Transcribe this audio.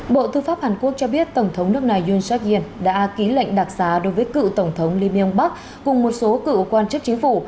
bộ thư pháp hàn quốc cho biết tổng thống nước này yoon seok yien đã ký lệnh đặc xá đối với cựu tổng thống lee myung bak cùng một số cựu quan chức chính phủ